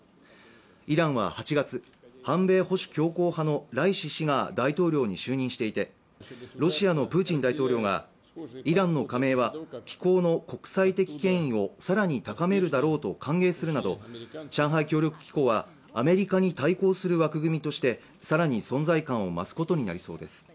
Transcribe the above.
イランは８月、反米保守強硬派のライシ師が大統領に就任していてロシアのプーチン大統領がイランの加盟は機構の国際的権威を更に高めるだろうと歓迎するなど上海協力機構はアメリカに対抗する枠組みとして更に存在感を増すことになりそうです。